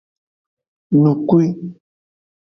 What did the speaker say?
Nukwi.